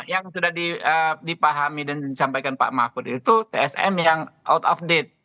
yang sudah dipahami dan disampaikan pak mahfud itu tsm yang out of date